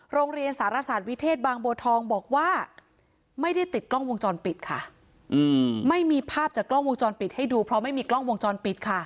โรงเรียนสารศาสตร์วิเทศบางโบทองบอกว่าไม่ได้ติดกล้องวงจรปิดค่ะไม่มีภาพจากกล้องวงจรปิดให้ดูเพราะไม่มีกล้องวงจรปิดค่ะ